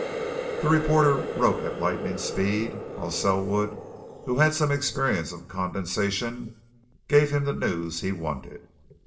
The reporter wrote at lightning speed while Selwood, who had some experience of condensation, gave him the news he wanted.